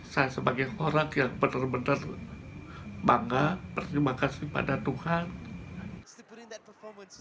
saya sebagai orang yang benar benar bangga berterima kasih pada tuhan